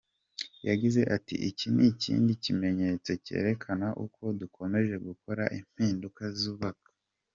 Yagize ati “Iki ni ikindi kimenyetso cyerekana uko dukomeje gukora impinduka zubaka.